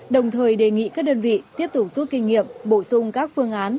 đồng thời đề nghị các đơn vị tiếp tục rút kinh nghiệm bổ sung các phương án